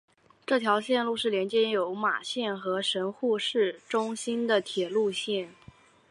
这条线路是连接有马线和神户市中心的铁路线。